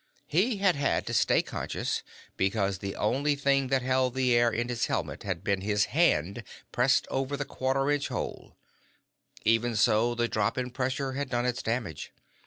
He had had to stay conscious, because the only thing that held the air in his helmet had been his hand pressed over the quarter inch hole. Even so, the drop in pressure had done its damage.